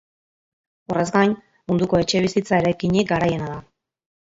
Horrez gain, munduko etxebizitza eraikinik garaiena da.